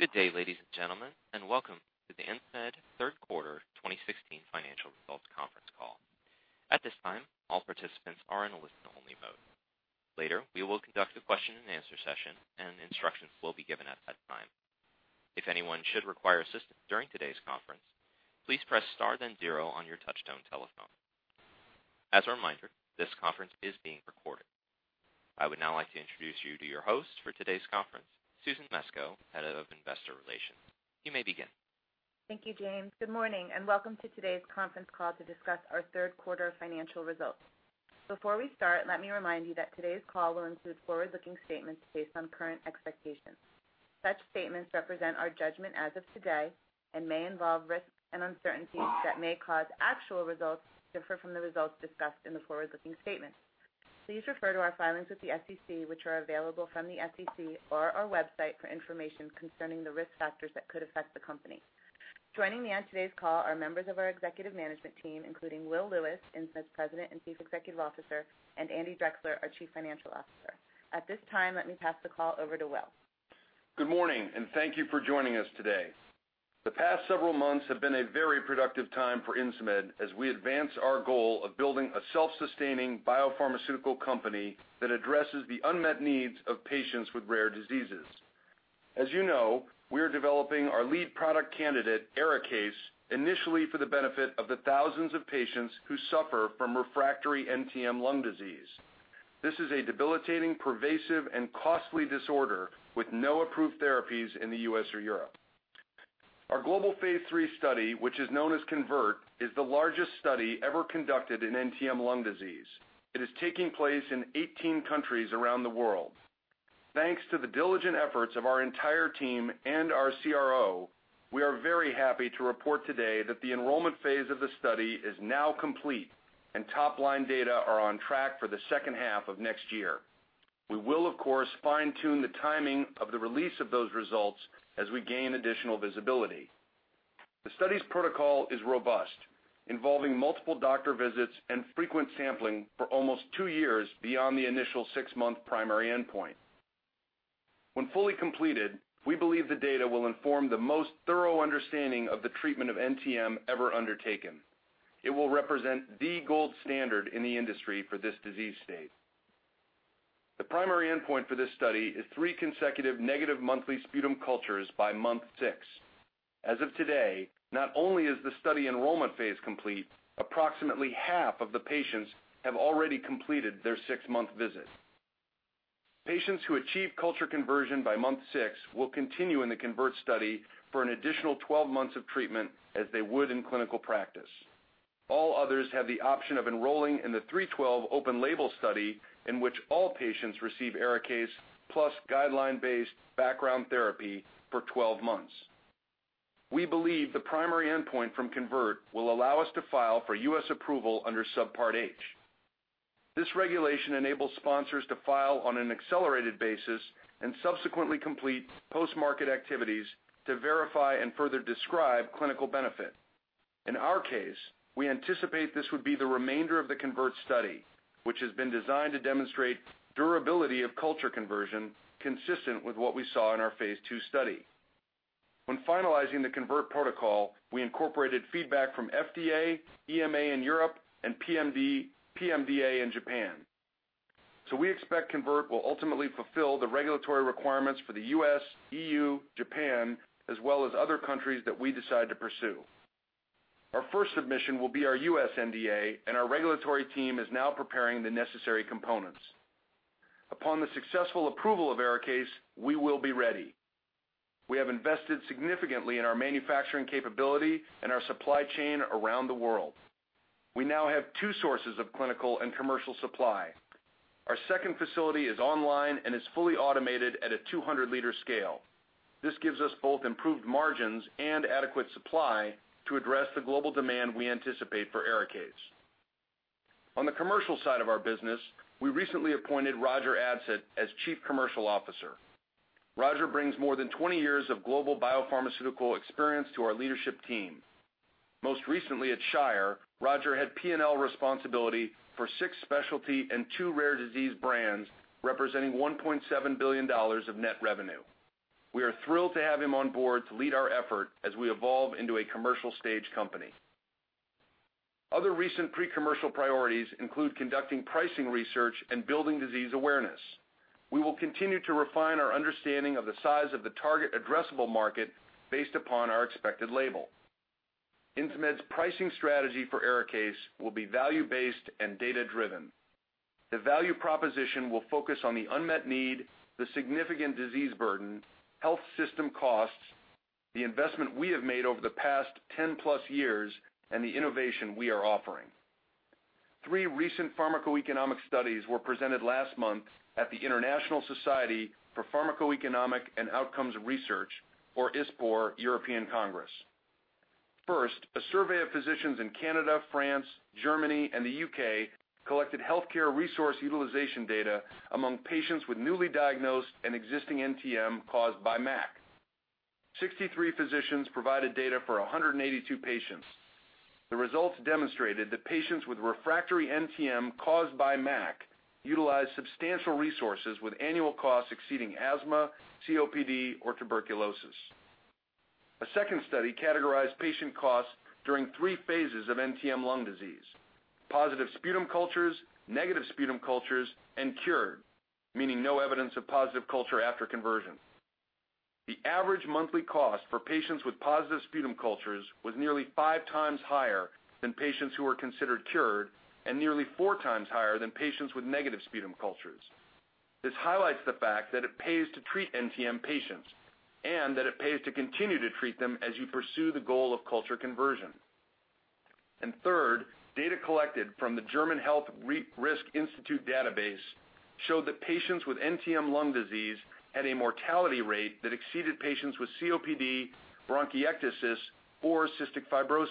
Good day, ladies and gentlemen, and welcome to the Insmed third quarter 2016 financial results conference call. At this time, all participants are in a listen only mode. Later, we will conduct a question and answer session, and instructions will be given at that time. If anyone should require assistance during today's conference, please press star then zero on your touchtone telephone. As a reminder, this conference is being recorded. I would now like to introduce you to your host for today's conference, Susan Mesko, Head of Investor Relations. You may begin. Thank you, James. Good morning and welcome to today's conference call to discuss our third quarter financial results. Before we start, let me remind you that today's call will include forward-looking statements based on current expectations. Such statements represent our judgment as of today and may involve risks and uncertainties that may cause actual results to differ from the results discussed in the forward-looking statements. Please refer to our filings with the SEC, which are available from the SEC or our website for information concerning the risk factors that could affect the company. Joining me on today's call are members of our executive management team, including Will Lewis, Insmed's President and Chief Executive Officer, and Andy Drechsler, our Chief Financial Officer. At this time, let me pass the call over to Will. Good morning, thank you for joining us today. The past several months have been a very productive time for Insmed as we advance our goal of building a self-sustaining biopharmaceutical company that addresses the unmet needs of patients with rare diseases. As you know, we are developing our lead product candidate, ARIKAYCE, initially for the benefit of the thousands of patients who suffer from refractory NTM lung disease. This is a debilitating, pervasive and costly disorder with no approved therapies in the U.S. or Europe. Our global phase III study, which is known as CONVERT, is the largest study ever conducted in NTM lung disease. It is taking place in 18 countries around the world. Thanks to the diligent efforts of our entire team and our CRO, we are very happy to report today that the enrollment phase of the study is now complete and top line data are on track for the second half of next year. We will, of course, fine-tune the timing of the release of those results as we gain additional visibility. The study's protocol is robust, involving multiple doctor visits and frequent sampling for almost two years beyond the initial six-month primary endpoint. When fully completed, we believe the data will inform the most thorough understanding of the treatment of NTM ever undertaken. It will represent the gold standard in the industry for this disease state. The primary endpoint for this study is three consecutive negative monthly sputum cultures by month six. As of today, not only is the study enrollment phase complete, approximately half of the patients have already completed their six-month visit. Patients who achieve culture conversion by month six will continue in the CONVERT study for an additional 12 months of treatment as they would in clinical practice. All others have the option of enrolling in the INS-312 open-label study in which all patients receive ARIKAYCE plus guideline-based background therapy for 12 months. We believe the primary endpoint from CONVERT will allow us to file for U.S. approval under Subpart H. This regulation enables sponsors to file on an accelerated basis and subsequently complete post-market activities to verify and further describe clinical benefit. In our case, we anticipate this would be the remainder of the CONVERT study, which has been designed to demonstrate durability of culture conversion consistent with what we saw in our phase II study. When finalizing the CONVERT protocol, we incorporated feedback from FDA, EMA in Europe, and PMDA in Japan. We expect CONVERT will ultimately fulfill the regulatory requirements for the U.S., EU, Japan, as well as other countries that we decide to pursue. Our first submission will be our U.S. NDA, and our regulatory team is now preparing the necessary components. Upon the successful approval of ARIKAYCE, we will be ready. We have invested significantly in our manufacturing capability and our supply chain around the world. We now have two sources of clinical and commercial supply. Our second facility is online and is fully automated at a 200-liter scale. This gives us both improved margins and adequate supply to address the global demand we anticipate for ARIKAYCE. On the commercial side of our business, we recently appointed Roger Adsett as Chief Commercial Officer. Roger brings more than 20 years of global biopharmaceutical experience to our leadership team. Most recently at Shire, Roger had P&L responsibility for six specialty and two rare disease brands representing $1.7 billion of net revenue. We are thrilled to have him on board to lead our effort as we evolve into a commercial stage company. Other recent pre-commercial priorities include conducting pricing research and building disease awareness. We will continue to refine our understanding of the size of the target addressable market based upon our expected label. Insmed's pricing strategy for ARIKAYCE will be value-based and data-driven. The value proposition will focus on the unmet need, the significant disease burden, health system costs, the investment we have made over the past 10+ years, and the innovation we are offering. Three recent pharmacoeconomic studies were presented last month at the International Society for Pharmacoeconomics and Outcomes Research, or ISPOR, European Congress. First, a survey of physicians in Canada, France, Germany, and the U.K. collected healthcare resource utilization data among patients with newly diagnosed and existing NTM caused by MAC. 63 physicians provided data for 182 patients. The results demonstrated that patients with refractory NTM caused by MAC utilize substantial resources with annual costs exceeding asthma, COPD, or tuberculosis. A second study categorized patient costs during three phases of NTM lung disease, positive sputum cultures, negative sputum cultures, and cured, meaning no evidence of positive culture after conversion. The average monthly cost for patients with positive sputum cultures was nearly five times higher than patients who were considered cured and nearly four times higher than patients with negative sputum cultures. This highlights the fact that it pays to treat NTM patients and that it pays to continue to treat them as you pursue the goal of culture conversion. Third, data collected from the German Health Risk Institute database showed that patients with NTM lung disease had a mortality rate that exceeded patients with COPD, bronchiectasis, or cystic fibrosis.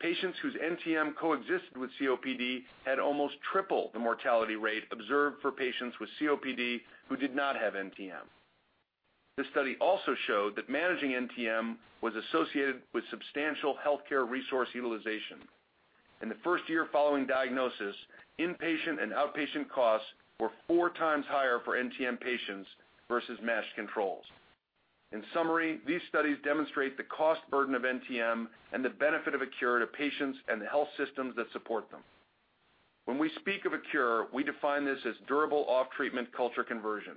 Patients whose NTM coexisted with COPD had almost triple the mortality rate observed for patients with COPD who did not have NTM. This study also showed that managing NTM was associated with substantial healthcare resource utilization. In the first year following diagnosis, inpatient and outpatient costs were four times higher for NTM patients versus matched controls. In summary, these studies demonstrate the cost burden of NTM and the benefit of a cure to patients and the health systems that support them. When we speak of a cure, we define this as durable off-treatment culture conversion.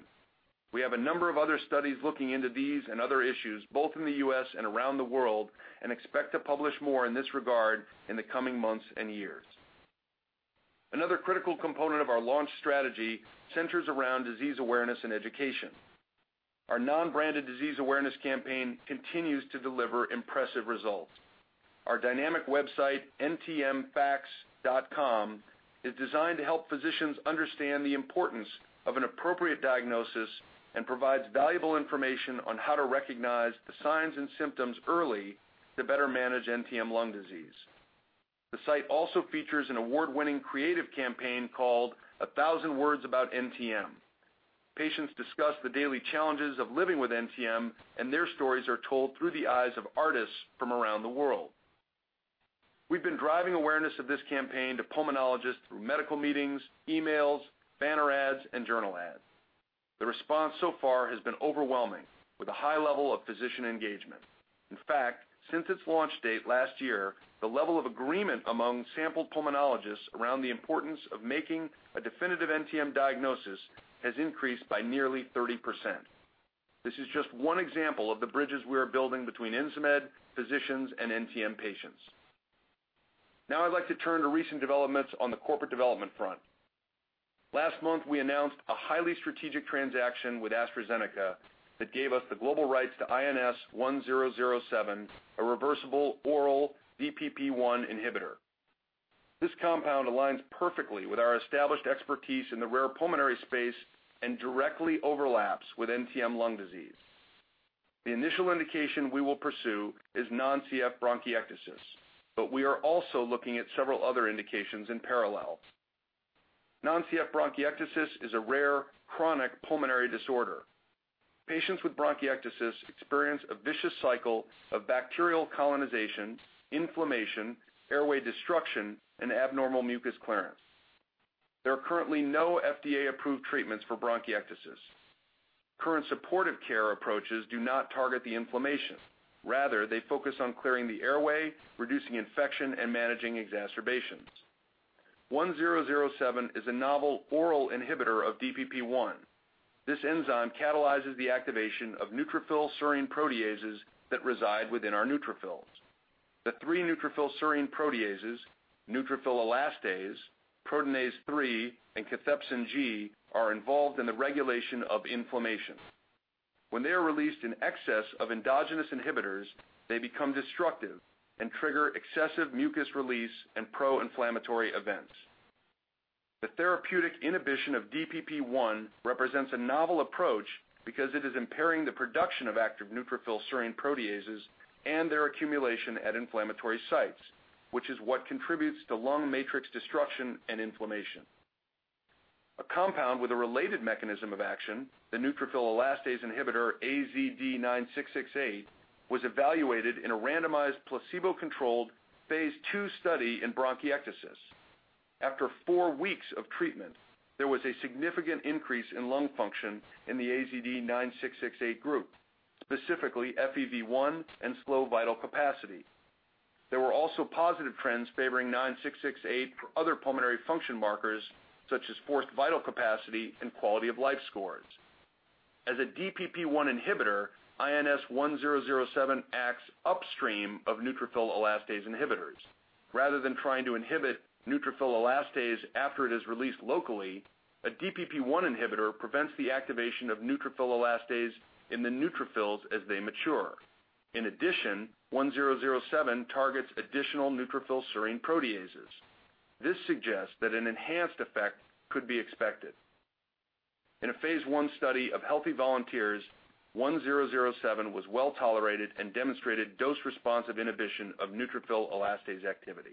We have a number of other studies looking into these and other issues, both in the U.S. and around the world, and expect to publish more in this regard in the coming months and years. Another critical component of our launch strategy centers around disease awareness and education. Our non-branded disease awareness campaign continues to deliver impressive results. Our dynamic website, ntmfacts.com, is designed to help physicians understand the importance of an appropriate diagnosis and provides valuable information on how to recognize the signs and symptoms early to better manage NTM lung disease. The site also features an award-winning creative campaign called A Thousand Words About NTM. Patients discuss the daily challenges of living with NTM, and their stories are told through the eyes of artists from around the world. We've been driving awareness of this campaign to pulmonologists through medical meetings, emails, banner ads, and journal ads. The response so far has been overwhelming, with a high level of physician engagement. In fact, since its launch date last year, the level of agreement among sampled pulmonologists around the importance of making a definitive NTM diagnosis has increased by nearly 30%. This is just one example of the bridges we are building between Insmed, physicians, and NTM patients. Now I'd like to turn to recent developments on the corporate development front. Last month, we announced a highly strategic transaction with AstraZeneca that gave us the global rights to INS1007, a reversible oral DPP1 inhibitor. This compound aligns perfectly with our established expertise in the rare pulmonary space and directly overlaps with NTM lung disease. The initial indication we will pursue is non-CF bronchiectasis, but we are also looking at several other indications in parallel. Non-CF bronchiectasis is a rare, chronic pulmonary disorder. Patients with bronchiectasis experience a vicious cycle of bacterial colonization, inflammation, airway destruction, and abnormal mucus clearance. There are currently no FDA-approved treatments for bronchiectasis. Current supportive care approaches do not target the inflammation. Rather, they focus on clearing the airway, reducing infection, and managing exacerbations. 1007 is a novel oral inhibitor of DPP1. This enzyme catalyzes the activation of neutrophil serine proteases that reside within our neutrophils. The three neutrophil serine proteases, neutrophil elastase, proteinase 3, and cathepsin G are involved in the regulation of inflammation. When they are released in excess of endogenous inhibitors, they become destructive and trigger excessive mucus release and pro-inflammatory events. The therapeutic inhibition of DPP1 represents a novel approach because it is impairing the production of active neutrophil serine proteases and their accumulation at inflammatory sites, which is what contributes to lung matrix destruction and inflammation. A compound with a related mechanism of action, the neutrophil elastase inhibitor AZD9668, was evaluated in a randomized, placebo-controlled phase II study in bronchiectasis. After four weeks of treatment, there was a significant increase in lung function in the AZD9668 group, specifically FEV1 and slow vital capacity. There were also positive trends favoring 9668 for other pulmonary function markers, such as forced vital capacity and quality of life scores. As a DPP1 inhibitor, INS1007 acts upstream of neutrophil elastase inhibitors. Rather than trying to inhibit neutrophil elastase after it is released locally, a DPP1 inhibitor prevents the activation of neutrophil elastase in the neutrophils as they mature. In addition, 1007 targets additional neutrophil serine proteases. This suggests that an enhanced effect could be expected. In a phase I study of healthy volunteers, 1007 was well-tolerated and demonstrated dose-responsive inhibition of neutrophil elastase activity.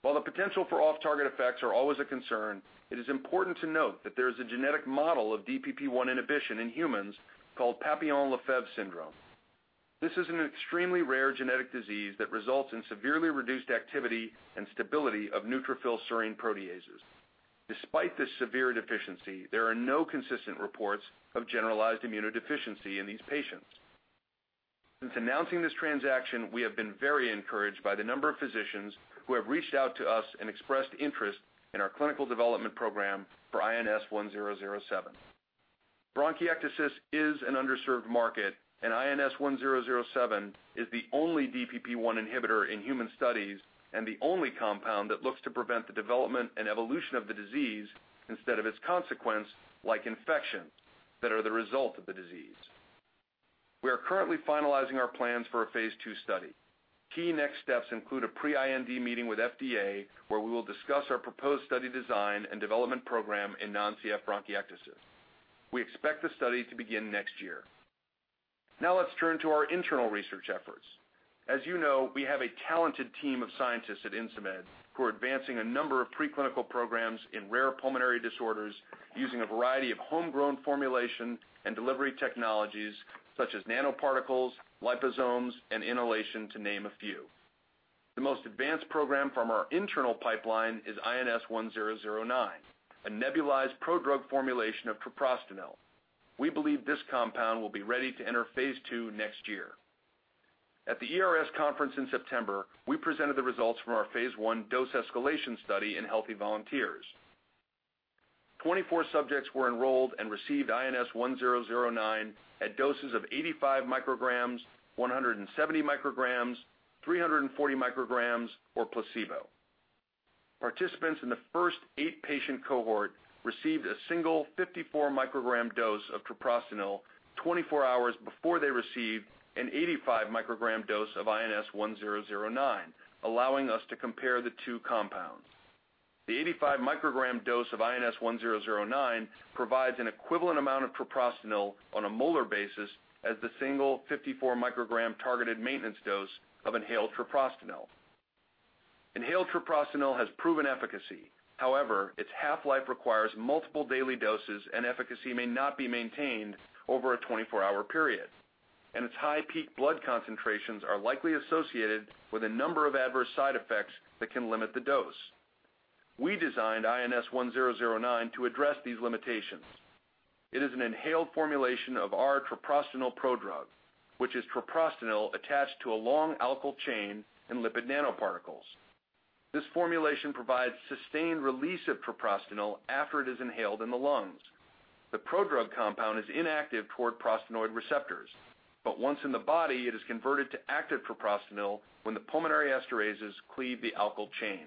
While the potential for off-target effects are always a concern, it is important to note that there is a genetic model of DPP1 inhibition in humans called Papillon-Lefèvre syndrome. This is an extremely rare genetic disease that results in severely reduced activity and stability of neutrophil serine proteases. Despite this severe deficiency, there are no consistent reports of generalized immunodeficiency in these patients. Since announcing this transaction, we have been very encouraged by the number of physicians who have reached out to us and expressed interest in our clinical development program for INS1007. Bronchiectasis is an underserved market, INS1007 is the only DPP1 inhibitor in human studies and the only compound that looks to prevent the development and evolution of the disease instead of its consequence, like infections that are the result of the disease. We are currently finalizing our plans for a phase II study. Key next steps include a pre-IND meeting with FDA, where we will discuss our proposed study design and development program in non-CF bronchiectasis. We expect the study to begin next year. Let's turn to our internal research efforts. As you know, we have a talented team of scientists at Insmed who are advancing a number of preclinical programs in rare pulmonary disorders using a variety of homegrown formulation and delivery technologies such as nanoparticles, liposomes, and inhalation to name a few. The most advanced program from our internal pipeline is INS1009, a nebulized prodrug formulation of treprostinil. We believe this compound will be ready to enter phase II next year. At the ERS conference in September, we presented the results from our phase I dose escalation study in healthy volunteers. 24 subjects were enrolled and received INS1009 at doses of 85 micrograms, 170 micrograms, 340 micrograms, or placebo. Participants in the first eight-patient cohort received a single 54 microgram dose of treprostinil 24 hours before they received an 85 microgram dose of INS1009, allowing us to compare the two compounds. The 85 microgram dose of INS1009 provides an equivalent amount of treprostinil on a molar basis as the single 54 microgram targeted maintenance dose of inhaled treprostinil. Inhaled treprostinil has proven efficacy. However, its half-life requires multiple daily doses, and efficacy may not be maintained over a 24-hour period, and its high peak blood concentrations are likely associated with a number of adverse side effects that can limit the dose. We designed INS1009 to address these limitations. It is an inhaled formulation of our treprostinil prodrug, which is treprostinil attached to a long alkyl chain and lipid nanoparticles. This formulation provides sustained release of treprostinil after it is inhaled in the lungs. The prodrug compound is inactive toward prostanoid receptors, but once in the body, it is converted to active treprostinil when the pulmonary esterases cleave the alkyl chain.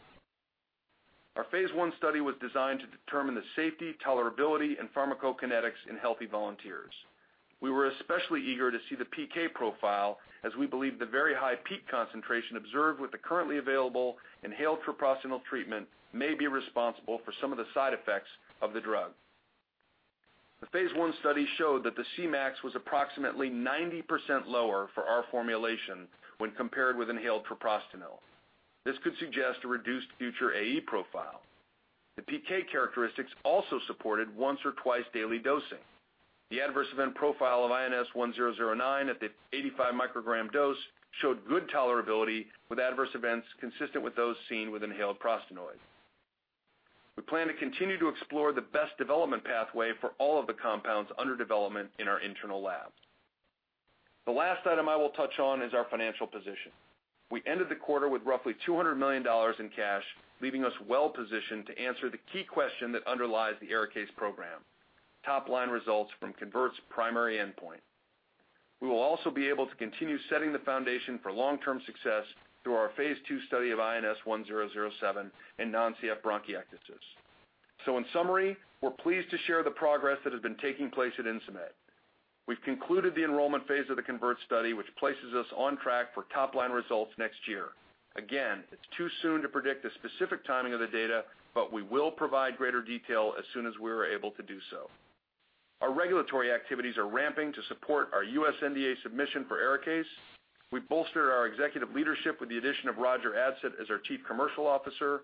Our phase I study was designed to determine the safety, tolerability, and pharmacokinetics in healthy volunteers. We were especially eager to see the PK profile, as we believe the very high peak concentration observed with the currently available inhaled treprostinil treatment may be responsible for some of the side effects of the drug. The phase I study showed that the Cmax was approximately 90% lower for our formulation when compared with inhaled treprostinil. This could suggest a reduced future AE profile. The PK characteristics also supported once or twice daily dosing. The adverse event profile of INS1009 at the 85 microgram dose showed good tolerability, with adverse events consistent with those seen with inhaled prostanoid. We plan to continue to explore the best development pathway for all of the compounds under development in our internal lab. The last item I will touch on is our financial position. We ended the quarter with roughly $200 million in cash, leaving us well positioned to answer the key question that underlies the ARIKAYCE program, top-line results from CONVERT's primary endpoint. We will also be able to continue setting the foundation for long-term success through our phase II study of INS1007 in non-CF bronchiectasis. In summary, we're pleased to share the progress that has been taking place at Insmed. We've concluded the enrollment phase of the CONVERT study, which places us on track for top-line results next year. Again, it's too soon to predict the specific timing of the data, but we will provide greater detail as soon as we are able to do so. Our regulatory activities are ramping to support our U.S. NDA submission for ARIKAYCE. We bolstered our executive leadership with the addition of Roger Adsett as our chief commercial officer.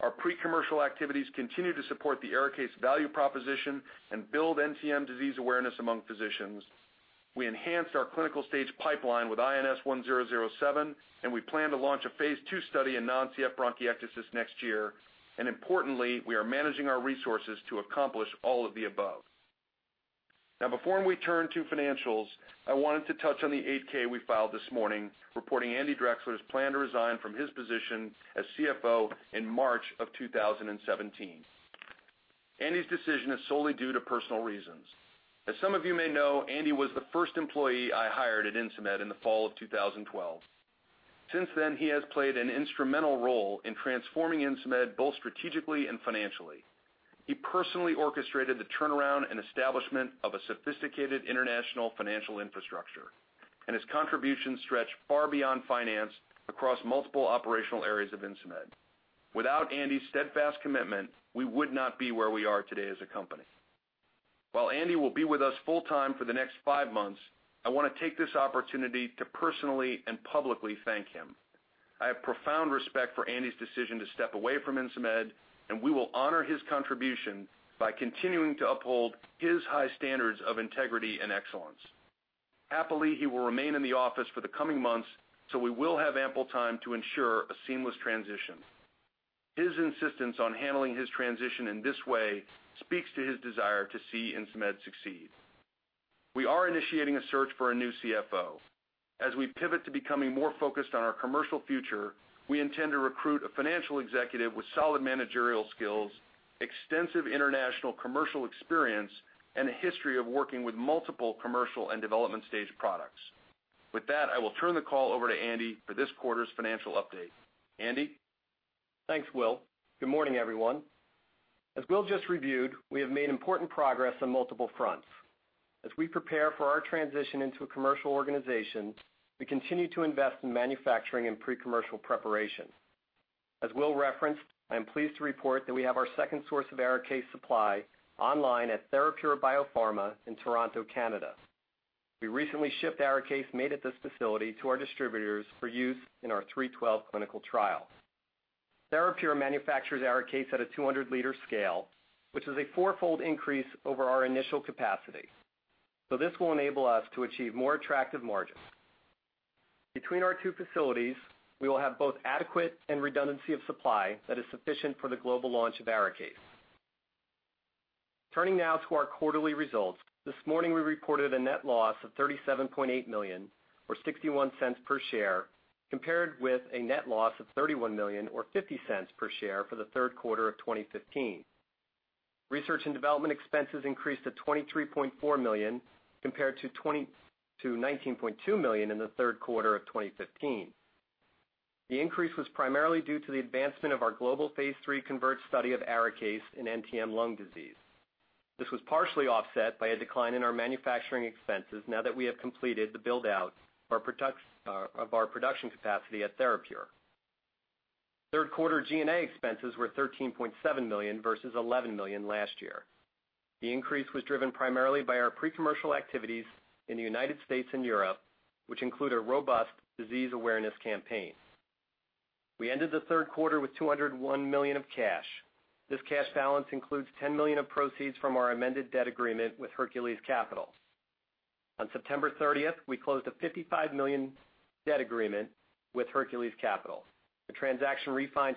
Our pre-commercial activities continue to support the ARIKAYCE value proposition and build NTM disease awareness among physicians. We enhanced our clinical stage pipeline with INS1007, and we plan to launch a phase II study in non-CF bronchiectasis next year. Importantly, we are managing our resources to accomplish all of the above. Now, before we turn to financials, I wanted to touch on the 8-K we filed this morning, reporting Andy Drechsler's plan to resign from his position as CFO in March of 2017. Andy's decision is solely due to personal reasons. As some of you may know, Andy was the first employee I hired at Insmed in the fall of 2012. Since then, he has played an instrumental role in transforming Insmed both strategically and financially. He personally orchestrated the turnaround and establishment of a sophisticated international financial infrastructure. His contributions stretch far beyond finance across multiple operational areas of Insmed. Without Andy's steadfast commitment, we would not be where we are today as a company. Andy will be with us full-time for the next 5 months. I want to take this opportunity to personally and publicly thank him. I have profound respect for Andy's decision to step away from Insmed. We will honor his contribution by continuing to uphold his high standards of integrity and excellence. He will remain in the office for the coming months. We will have ample time to ensure a seamless transition. His insistence on handling his transition in this way speaks to his desire to see Insmed succeed. We are initiating a search for a new CFO. We pivot to becoming more focused on our commercial future. We intend to recruit a financial executive with solid managerial skills, extensive international commercial experience, and a history of working with multiple commercial and development-stage products. I will turn the call over to Andy for this quarter's financial update. Andy? Thanks, Will. Good morning, everyone. Will just reviewed, we have made important progress on multiple fronts. We prepare for our transition into a commercial organization. We continue to invest in manufacturing and pre-commercial preparation. Will referenced, I am pleased to report that we have our second source of ARIKAYCE Supply online at Therapure Biopharma in Toronto, Canada. We recently shipped ARIKAYCE made at this facility to our distributors for use in our INS-312 clinical trial. Therapure manufactures ARIKAYCE at a 200-liter scale, which is a four-fold increase over our initial capacity. This will enable us to achieve more attractive margins. Between our two facilities, we will have both adequate and redundancy of supply that is sufficient for the global launch of ARIKAYCE. Now to our quarterly results. This morning, we reported a net loss of $37.8 million or $0.61 per share, compared with a net loss of $31 million or $0.50 per share for the third quarter of 2015. Research and development expenses increased to $23.4 million, compared to $19.2 million in the third quarter of 2015. The increase was primarily due to the advancement of our global phase III CONVERT study of ARIKAYCE in NTM lung disease. This was partially offset by a decline in our manufacturing expenses now that we have completed the build-out of our production capacity at Therapure. Third quarter G&A expenses were $13.7 million versus $11 million last year. The increase was driven primarily by our pre-commercial activities in the U.S. and Europe, which include a robust disease awareness campaign. We ended the third quarter with $201 million of cash. This cash balance includes $10 million of proceeds from our amended debt agreement with Hercules Capital. On September 30th, we closed a $55 million debt agreement with Hercules Capital. The transaction refinanced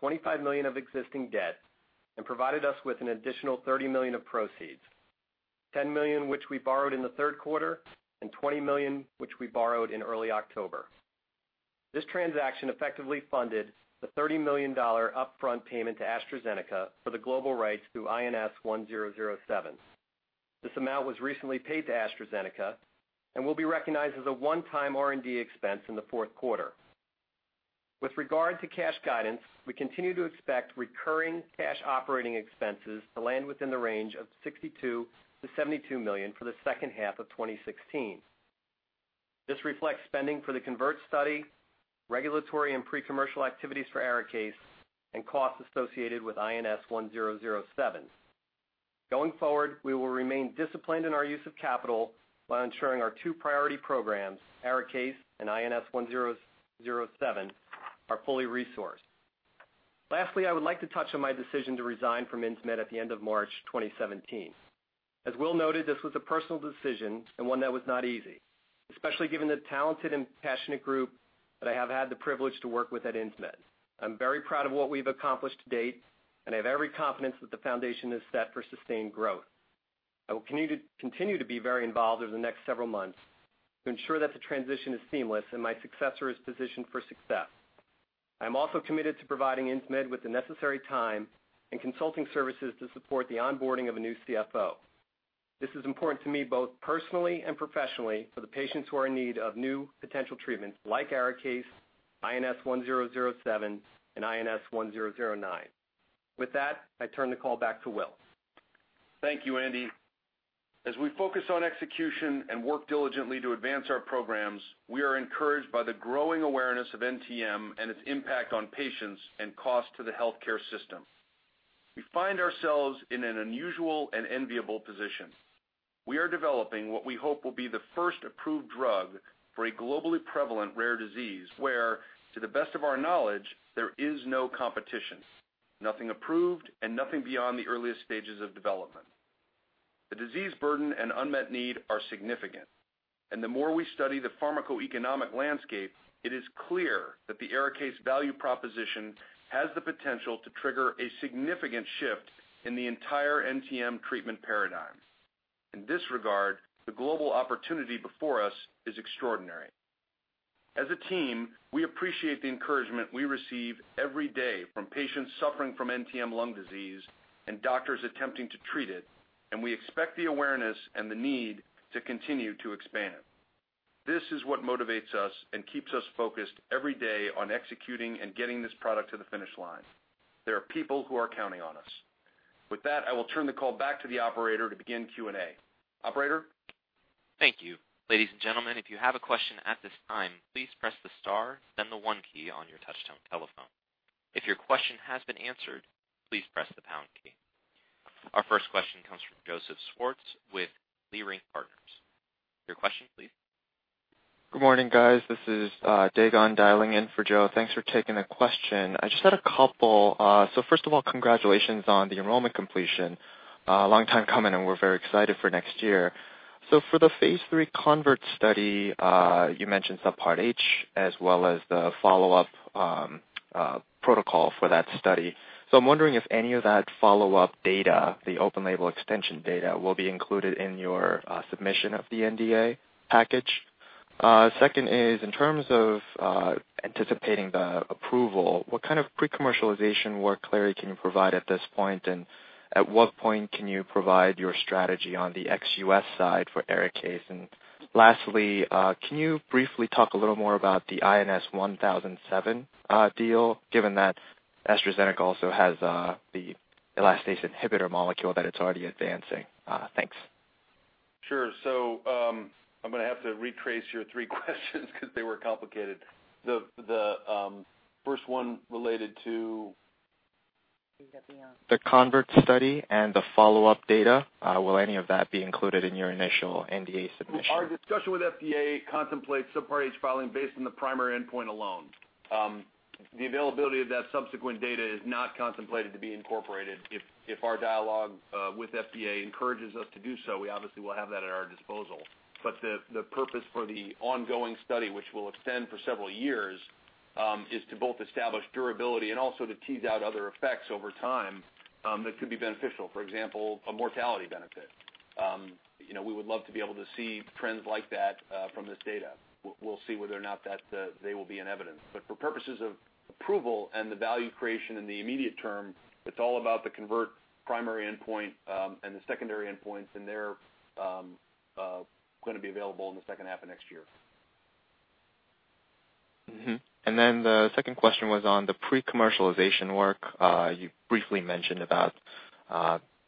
$25 million of existing debt and provided us with an additional $30 million of proceeds, $10 million which we borrowed in the third quarter, and $20 million which we borrowed in early October. This transaction effectively funded the $30 million upfront payment to AstraZeneca for the global rights to INS1007. This amount was recently paid to AstraZeneca and will be recognized as a one-time R&D expense in the fourth quarter. With regard to cash guidance, we continue to expect recurring cash operating expenses to land within the range of $62 million-$72 million for the second half of 2016. This reflects spending for the CONVERT study, regulatory and pre-commercial activities for ARIKAYCE, and costs associated with INS1007. We will remain disciplined in our use of capital while ensuring our two priority programs, ARIKAYCE and INS1007, are fully resourced. I would like to touch on my decision to resign from Insmed at the end of March 2017. As Will noted, this was a personal decision and one that was not easy, especially given the talented and passionate group that I have had the privilege to work with at Insmed. I am very proud of what we've accomplished to date, and I have every confidence that the foundation is set for sustained growth. I will continue to be very involved over the next several months to ensure that the transition is seamless and my successor is positioned for success. I am also committed to providing Insmed with the necessary time and consulting services to support the onboarding of a new CFO. This is important to me, both personally and professionally, for the patients who are in need of new potential treatments like ARIKAYCE, INS1007, and INS1009. With that, I turn the call back to Will. Thank you, Andy. As we focus on execution and work diligently to advance our programs, we are encouraged by the growing awareness of NTM and its impact on patients and cost to the healthcare system. We find ourselves in an unusual and enviable position. We are developing what we hope will be the first approved drug for a globally prevalent rare disease, where, to the best of our knowledge, there is no competition, nothing approved, and nothing beyond the earliest stages of development. The disease burden and unmet need are significant, and the more we study the pharmacoeconomic landscape, it is clear that the ARIKAYCE value proposition has the potential to trigger a significant shift in the entire NTM treatment paradigm. In this regard, the global opportunity before us is extraordinary. As a team, we appreciate the encouragement we receive every day from patients suffering from NTM lung disease and doctors attempting to treat it, and we expect the awareness and the need to continue to expand. This is what motivates us and keeps us focused every day on executing and getting this product to the finish line. There are people who are counting on us. With that, I will turn the call back to the operator to begin Q&A. Operator? Thank you. Ladies and gentlemen, if you have a question at this time, please press the star, then the one key on your touchtone telephone. If your question has been answered, please press the pound key. Our first question comes from Joseph Schwartz with Leerink Partners. Your question, please. Good morning, guys. This is Dagon dialing in for Joe. Thanks for taking the question. I just had a couple. First of all, congratulations on the enrollment completion. A long time coming, and we're very excited for next year. For the phase III CONVERT study, you mentioned Subpart H as well as the follow-up protocol for that study. I'm wondering if any of that follow-up data, the open label extension data, will be included in your submission of the NDA package. Second is, in terms of anticipating the approval, what kind of pre-commercialization work clarity can you provide at this point, and at what point can you provide your strategy on the ex-U.S. side for ARIKAYCE? Lastly, can you briefly talk a little more about the INS1007 deal, given that AstraZeneca also has the elastase inhibitor molecule that it's already advancing? Thanks. Sure. I'm going to have to retrace your three questions because they were complicated. The first one related to The CONVERT study and the follow-up data, will any of that be included in your initial NDA submission? Our discussion with FDA contemplates Subpart H filing based on the primary endpoint alone. The availability of that subsequent data is not contemplated to be incorporated. If our dialogue with FDA encourages us to do so, we obviously will have that at our disposal. The purpose for the ongoing study, which will extend for several years, is to both establish durability and also to tease out other effects over time that could be beneficial. For example, a mortality benefit. We would love to be able to see trends like that from this data. We'll see whether or not they will be in evidence. For purposes of approval and the value creation in the immediate term, it's all about the CONVERT primary endpoint, and the secondary endpoints, and they're going to be available in the second half of next year. Mm-hmm. Then the second question was on the pre-commercialization work. You briefly mentioned about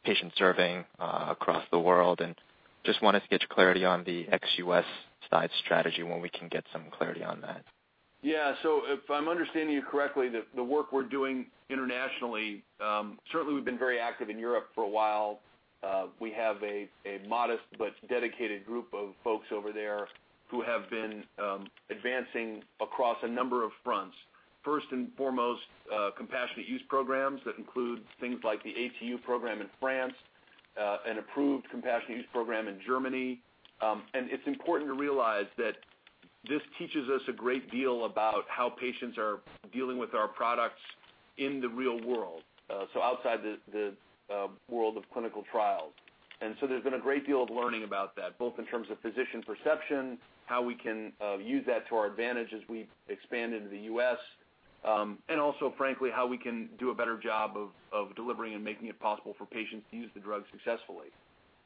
patient serving across the world, and just wanted to get your clarity on the ex-U.S. side strategy, when we can get some clarity on that. Yeah. If I'm understanding you correctly, the work we're doing internationally, certainly we've been very active in Europe for a while. We have a modest but dedicated group of folks over there who have been advancing across a number of fronts. First and foremost, compassionate use programs. That includes things like the ATU program in France, an approved compassionate use program in Germany. It's important to realize that this teaches us a great deal about how patients are dealing with our products in the real world, so outside the world of clinical trials. There's been a great deal of learning about that, both in terms of physician perception, how we can use that to our advantage as we expand into the U.S., and also, frankly, how we can do a better job of delivering and making it possible for patients to use the drug successfully.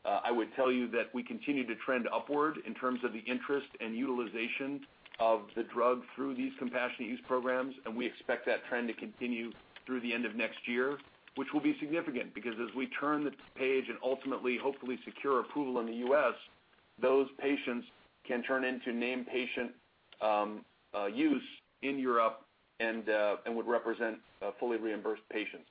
I would tell you that we continue to trend upward in terms of the interest and utilization of the drug through these compassionate use programs, and we expect that trend to continue through the end of next year, which will be significant because as we turn the page and ultimately, hopefully secure approval in the U.S., those patients can turn into named patient use in Europe and would represent fully reimbursed patients.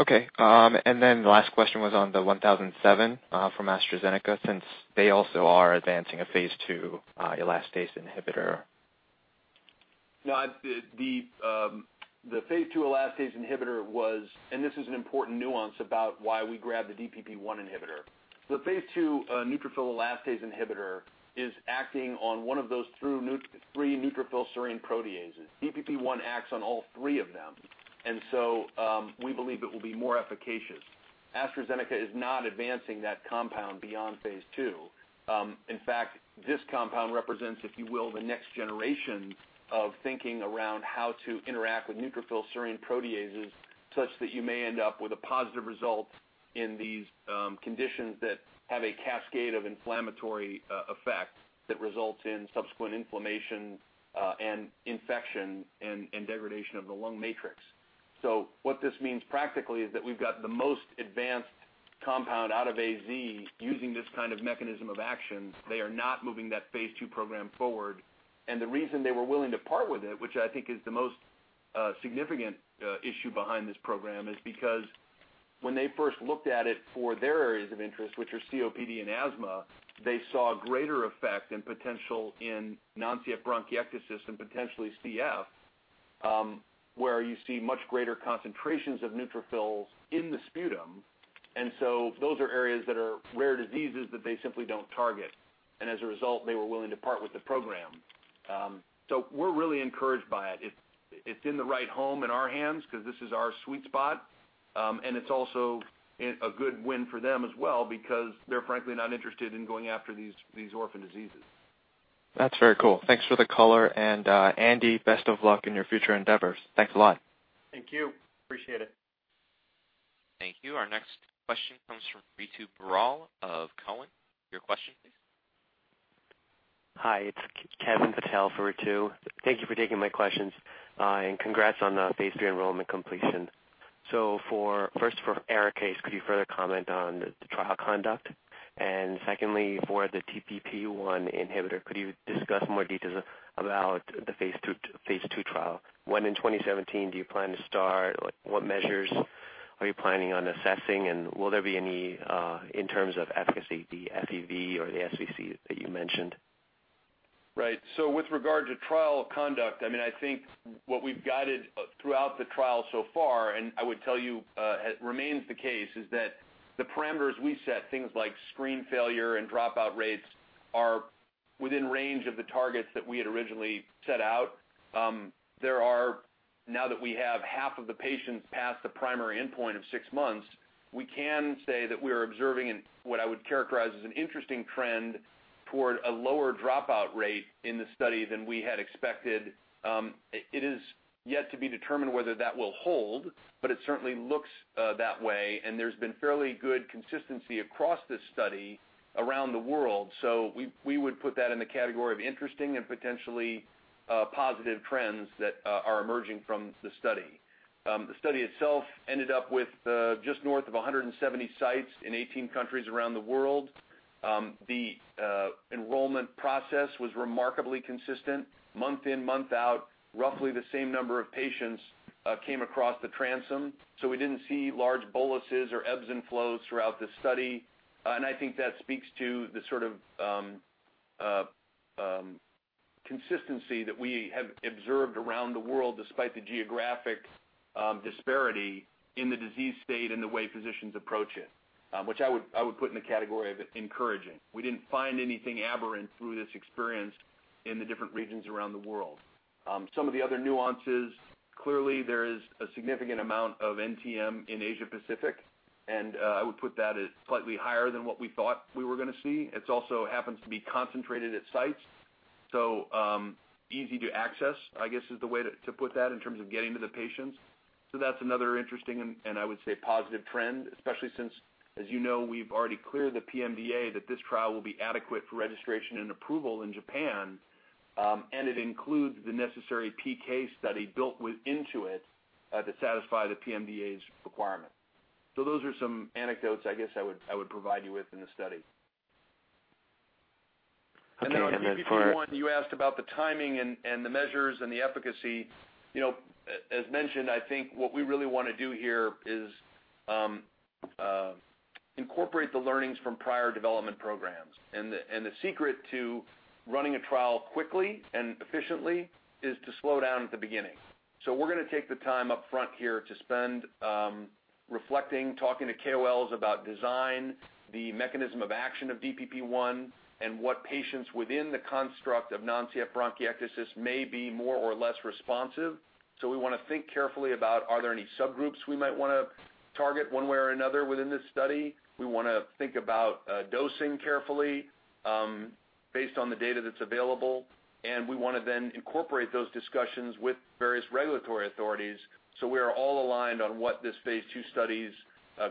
Okay. The last question was on the INS1007 from AstraZeneca, since they also are advancing a phase II elastase inhibitor. No, the phase II elastase inhibitor was, and this is an important nuance about why we grabbed the DPP1 inhibitor. The phase II neutrophil elastase inhibitor is acting on one of those three neutrophil serine proteases. DPP1 acts on all three of them. We believe it will be more efficacious. AstraZeneca is not advancing that compound beyond phase II. In fact, this compound represents, if you will, the next generation of thinking around how to interact with neutrophil serine proteases such that you may end up with a positive result in these conditions that have a cascade of inflammatory effects that results in subsequent inflammation and infection and degradation of the lung matrix. What this means practically is that we've got the most advanced compound out of AZ using this kind of mechanism of action. They are not moving that phase II program forward. The reason they were willing to part with it, which I think is the most significant issue behind this program, is because when they first looked at it for their areas of interest, which are COPD and asthma, they saw greater effect and potential in non-CF bronchiectasis and potentially CF, where you see much greater concentrations of neutrophils in the sputum. Those are areas that are rare diseases that they simply don't target, and as a result, they were willing to part with the program. We're really encouraged by it. It's in the right home in our hands because this is our sweet spot. It's also a good win for them as well because they're frankly not interested in going after these orphan diseases. That's very cool. Thanks for the color. Andy, best of luck in your future endeavors. Thanks a lot. Thank you. Appreciate it. Thank you. Our next question comes from Ritu Baral of Cowen. Your question, please Hi, it's Kevin Patel for Ritu. Thank you for taking my questions, congrats on the phase III enrollment completion. First, for ARIKAYCE, could you further comment on the trial conduct? Secondly, for the DPP1 inhibitor, could you discuss more details about the phase II trial? When in 2017 do you plan to start? What measures are you planning on assessing, and will there be any in terms of efficacy, the FEV or the FVC that you mentioned? Right. With regard to trial conduct, I think what we've guided throughout the trial so far, and I would tell you, it remains the case, is that the parameters we set, things like screen failure and dropout rates, are within range of the targets that we had originally set out. There are, now that we have half of the patients past the primary endpoint of 6 months, we can say that we are observing what I would characterize as an interesting trend toward a lower dropout rate in the study than we had expected. It is yet to be determined whether that will hold, but it certainly looks that way, and there's been fairly good consistency across this study around the world. We would put that in the category of interesting and potentially positive trends that are emerging from the study. The study itself ended up with just north of 170 sites in 18 countries around the world. The enrollment process was remarkably consistent. Month in, month out, roughly the same number of patients came across the transom. We didn't see large boluses or ebbs and flows throughout the study. I think that speaks to the sort of consistency that we have observed around the world, despite the geographic disparity in the disease state and the way physicians approach it, which I would put in the category of encouraging. We didn't find anything aberrant through this experience in the different regions around the world. Some of the other nuances, clearly there is a significant amount of NTM in Asia Pacific, and I would put that as slightly higher than what we thought we were going to see. It also happens to be concentrated at sites. Easy to access, I guess, is the way to put that in terms of getting to the patients. That's another interesting, and I would say positive trend, especially since, as you know, we've already cleared the PMDA that this trial will be adequate for registration and approval in Japan, and it includes the necessary PK study built into it to satisfy the PMDA's requirement. Those are some anecdotes, I guess, I would provide you with in the study. Okay. On DPP1, you asked about the timing and the measures and the efficacy. As mentioned, I think what we really want to do here is incorporate the learnings from prior development programs. The secret to running a trial quickly and efficiently is to slow down at the beginning. We're going to take the time up front here to spend reflecting, talking to KOLs about design, the mechanism of action of DPP1, and what patients within the construct of non-CF bronchiectasis may be more or less responsive. We want to think carefully about are there any subgroups we might want to target one way or another within this study. We want to think about dosing carefully based on the data that's available. We want to then incorporate those discussions with various regulatory authorities so we are all aligned on what this phase II study's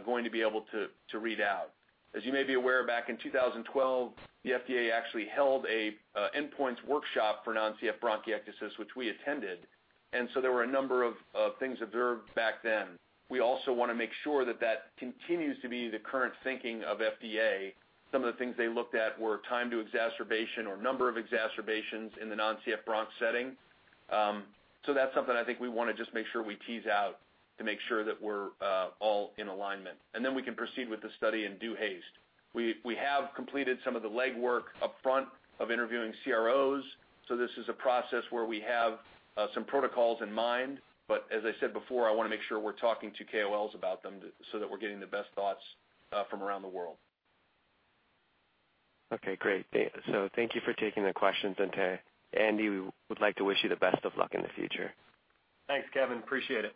going to be able to read out. As you may be aware, back in 2012, the FDA actually held an endpoints workshop for non-CF bronchiectasis, which we attended. There were a number of things observed back then. We also want to make sure that continues to be the current thinking of FDA. Some of the things they looked at were time to exacerbation or number of exacerbations in the non-CF bronch setting. That's something I think we want to just make sure we tease out to make sure that we're all in alignment. We can then proceed with the study in due haste. We have completed some of the legwork upfront of interviewing CROs. This is a process where we have some protocols in mind. As I said before, I want to make sure we're talking to KOLs about them so that we're getting the best thoughts from around the world. Okay, great. Thank you for taking the questions. To Andy, we would like to wish you the best of luck in the future. Thanks, Kevin. Appreciate it.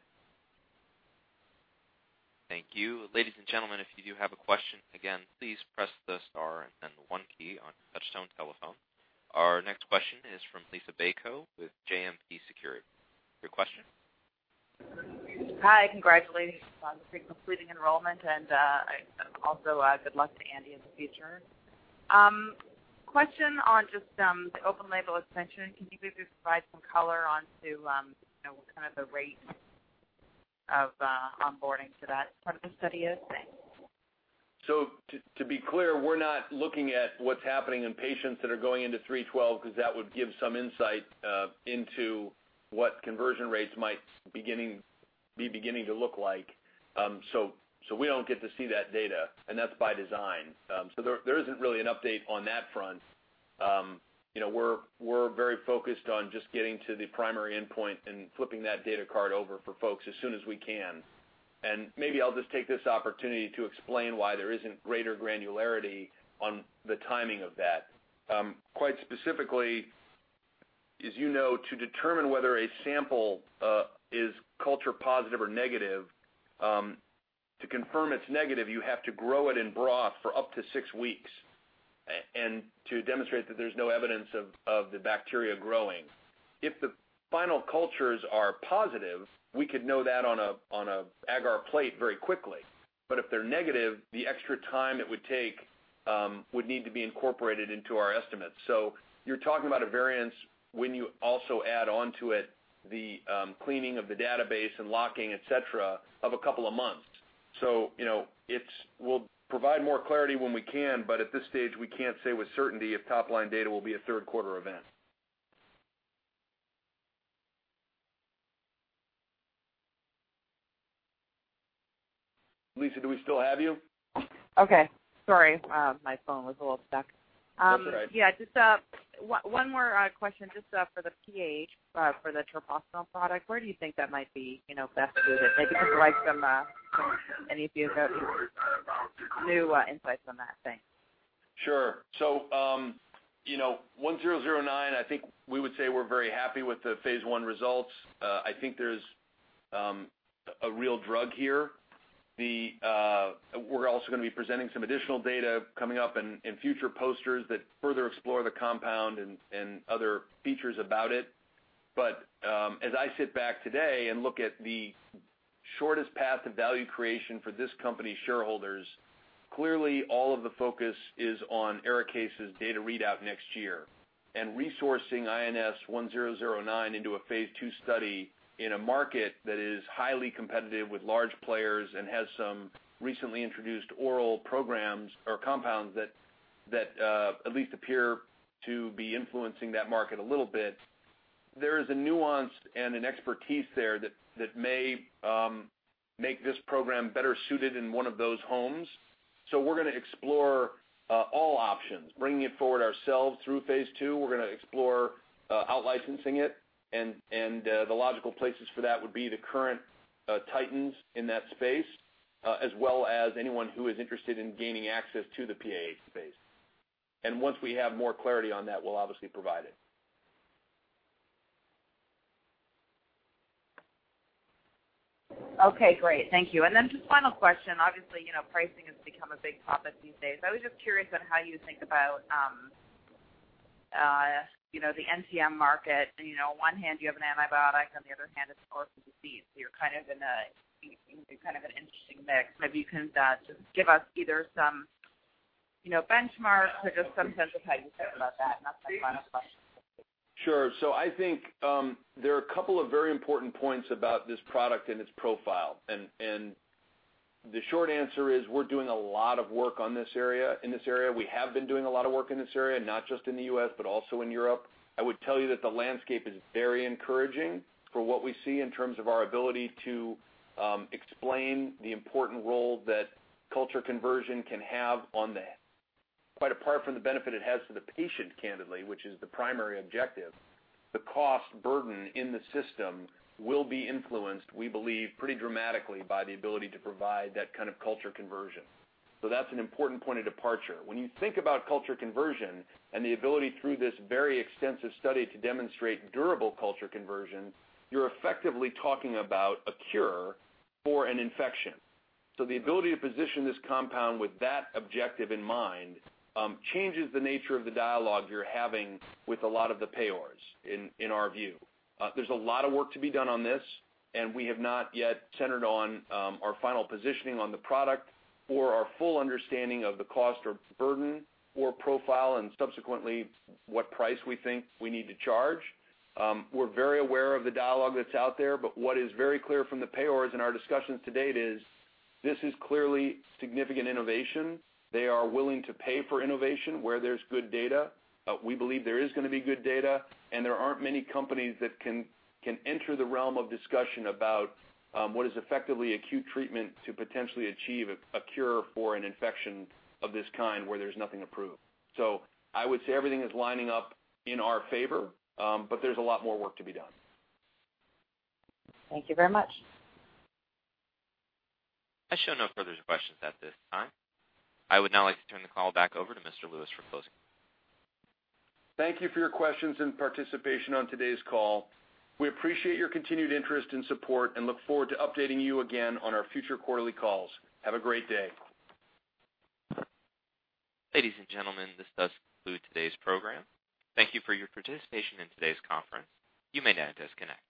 Thank you. Ladies and gentlemen, if you do have a question, again, please press the star and then the one key on your touchtone telephone. Our next question is from Liisa Bayko with JMP Securities. Your question? Hi, congratulations on completing enrollment, also good luck to Andy in the future. Question on just the open label extension. Can you maybe provide some color onto what kind of the rate of onboarding for that part of the study is? To be clear, we're not looking at what's happening in patients that are going into INS-312 because that would give some insight into what conversion rates might be beginning to look like. We don't get to see that data, and that's by design. There isn't really an update on that front. We're very focused on just getting to the primary endpoint and flipping that data card over for folks as soon as we can. Maybe I'll just take this opportunity to explain why there isn't greater granularity on the timing of that. Quite specifically, as you know, to determine whether a sample is culture positive or negative, to confirm it's negative, you have to grow it in broth for up to six weeks and to demonstrate that there's no evidence of the bacteria growing. If the final cultures are positive, we could know that on an agar plate very quickly. If they're negative, the extra time it would take would need to be incorporated into our estimates. You're talking about a variance when you also add onto it the cleaning of the database and locking, et cetera, of a couple of months. We'll provide more clarity when we can, but at this stage, we can't say with certainty if top-line data will be a third quarter event. Liisa, do we still have you? Okay. Sorry, my phone was a little stuck. That's all right. Yeah, just one more question just for the PAH, for the treprostinil product. Where do you think that might be best suited? Maybe if you could provide any of you have new insights on that? Thanks. Sure. 1009, I think we would say we're very happy with the phase I results. I think there's a real drug here. We're also going to be presenting some additional data coming up in future posters that further explore the compound and other features about it. As I sit back today and look at the shortest path to value creation for this company's shareholders, clearly all of the focus is on ARIKAYCE's data readout next year and resourcing INS1009 into a phase II study in a market that is highly competitive with large players and has some recently introduced oral programs or compounds that at least appear to be influencing that market a little bit. There is a nuance and an expertise there that may make this program better suited in one of those homes. We're going to explore all options, bringing it forward ourselves through phase II. We're going to explore out-licensing it, the logical places for that would be the current titans in that space, as well as anyone who is interested in gaining access to the PAH space. Once we have more clarity on that, we'll obviously provide it. Okay, great. Thank you. Just final question. Obviously, pricing has become a big topic these days. I was just curious about how you think about the NTM market. On one hand, you have an antibiotic, on the other hand, it's a, [inaudible] you're kind of in an interesting mix. Maybe you can just give us either some benchmarks or just some sense of how you think about that. That's my final question. Sure. I think there are a couple of very important points about this product and its profile. The short answer is we're doing a lot of work in this area. We have been doing a lot of work in this area, not just in the U.S., but also in Europe. I would tell you that the landscape is very encouraging for what we see in terms of our ability to explain the important role that culture conversion can have on that. Quite apart from the benefit it has for the patient, candidly, which is the primary objective, the cost burden in the system will be influenced, we believe, pretty dramatically by the ability to provide that kind of culture conversion. That's an important point of departure. When you think about culture conversion and the ability through this very extensive study to demonstrate durable culture conversion, you're effectively talking about a cure for an infection. The ability to position this compound with that objective in mind changes the nature of the dialogue you're having with a lot of the payers, in our view. There's a lot of work to be done on this, and we have not yet centered on our final positioning on the product or our full understanding of the cost or burden or profile, and subsequently, what price we think we need to charge. We're very aware of the dialogue that's out there, but what is very clear from the payers in our discussions to date is this is clearly significant innovation. They are willing to pay for innovation where there's good data. We believe there is going to be good data, and there aren't many companies that can enter the realm of discussion about what is effectively acute treatment to potentially achieve a cure for an infection of this kind where there's nothing approved. I would say everything is lining up in our favor, but there's a lot more work to be done. Thank you very much. I show no further questions at this time. I would now like to turn the call back over to Mr. Lewis for closing. Thank you for your questions and participation on today's call. We appreciate your continued interest and support, and look forward to updating you again on our future quarterly calls. Have a great day. Ladies and gentlemen, this does conclude today's program. Thank you for your participation in today's conference. You may now disconnect.